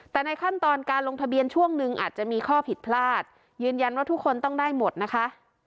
แต่ในขั้นตอนการลงทะเบียนช่วงนึงอาจจะมีข้อผิดพลาดยืนยันว่าทุกคนต้องได้หมดนะคะ